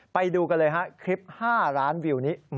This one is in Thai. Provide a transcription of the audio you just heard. ไปดูกันเลยฮะคลิป๕ล้านวิวนี้